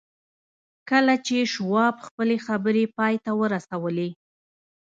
کله چې شواب خپلې خبرې پای ته ورسولې